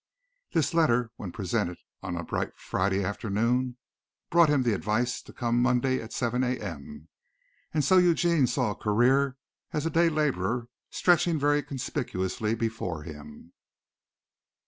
This letter, when presented on a bright Friday afternoon, brought him the advice to come Monday at seven A. M., and so Eugene saw a career as a day laborer stretching very conspicuously before him.